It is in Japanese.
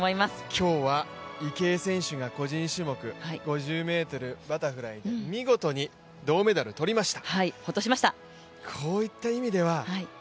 今日は池江選手が個人種目５０ｍバタフライで見事に銅メダルとりました。